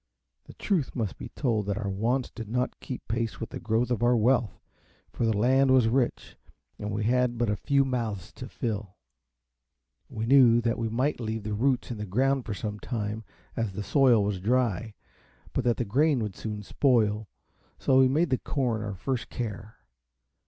The truth must be told that our wants did not keep pace with the growth of our wealth, for the land was rich, and we had but a few mouths to fill. We knew that we might leave the roots in the ground for some time, as the soil was dry, but that the grain would soon spoil; so we made the corn our first care.